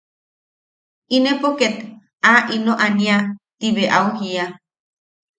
Inepo ket aa ino ania –ti bea au jiia.